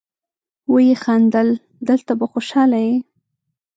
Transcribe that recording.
ويې خندل: دلته به خوشاله يې.